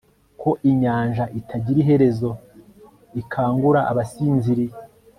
ko inyanja itagira iherezo ikangura abasinziriye